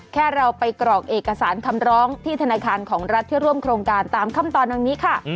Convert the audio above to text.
แค่เราไปกรอกเอกสารคำร้องที่ธนาคารของรัฐที่ร่วมโครงการตามขั้นตอนดังนี้ค่ะ